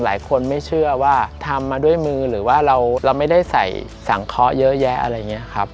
หลายคนไม่เชื่อว่าทำมาด้วยมือหรือว่าเราไม่ได้ใส่สังเคาะเยอะแยะอะไรอย่างนี้ครับ